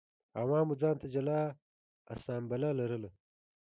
عوامو ځان ته جلا اسامبله لرله.